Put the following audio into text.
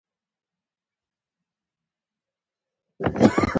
ښکلا د خدای نعمت دی.